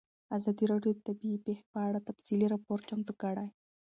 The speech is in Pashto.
ازادي راډیو د طبیعي پېښې په اړه تفصیلي راپور چمتو کړی.